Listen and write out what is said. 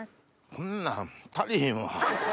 こんなん足りひんわ。